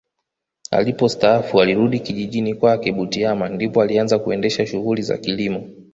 Alipostaafu alirudi kijijini kwake Butiama ndipo alianza kuendesha shughuli za kilimo